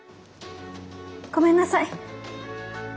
ごめんなさい。